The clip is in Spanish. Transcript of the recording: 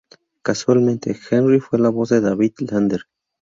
Casualmente, Henry fue la voz de David Lander.